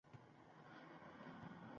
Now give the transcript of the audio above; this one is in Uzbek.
Xudo qayg`urdiki, bola omon qoldi